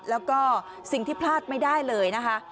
แล้วก็สิ่งที่พลาดไม่ได้เลยนะคะ